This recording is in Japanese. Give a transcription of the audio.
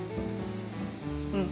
うん。